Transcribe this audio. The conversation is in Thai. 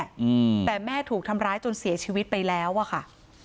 อืมแต่แม่ถูกทำร้ายจนเสียชีวิตไปแล้วอ่ะค่ะ